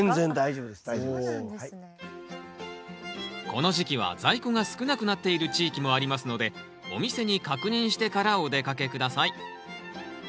この時期は在庫が少なくなっている地域もありますのでお店に確認してからお出かけ下さい。